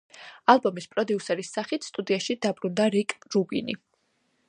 ალბომის პროდიუსერის სახით სტუდიაში დაბრუნდა რიკ რუბინი.